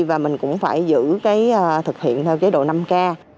và mình cũng phải giữ cái thực hiện theo chế độ năm k